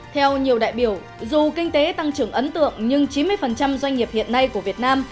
theo nhiều đại biểu dù kinh tế tăng trưởng ấn tượng nhưng chín mươi doanh nghiệp hiện nay của việt nam